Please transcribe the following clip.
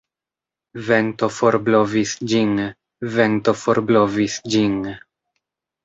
Vento forblovis ĝin, Vento forblovis ĝin.